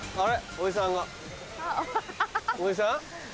おじさんが。